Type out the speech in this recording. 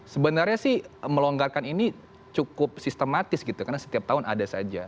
sebenarnya sih melonggarkan ini cukup sistematis gitu karena setiap tahun ada saja